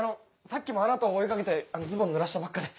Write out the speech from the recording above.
さっきもあなたを追い掛けてズボン濡らしたばっかで。